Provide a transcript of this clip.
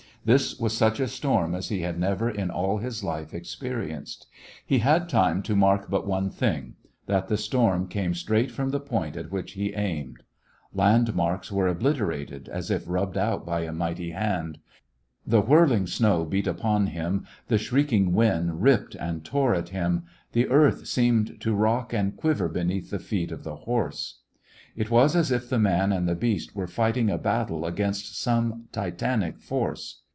This was such a storm as he had never in all his life experienced. He had time to mark but one thing: that the storm came straight from the point at which he aimed. Landmarks were obliterated as if rubbed out by a mighty hand. The whirling snow beat upon him, the shrieking wind ripped and tore at him, the earth seemed to rock and quiver beneath the feet of the horse. The West Was Yotrng It was as if the man and the beast were fighting a battle against some titanic force.